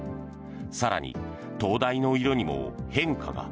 更に、灯台の色にも変化が。